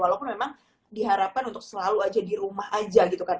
walaupun memang diharapkan untuk selalu aja di rumah aja gitu kan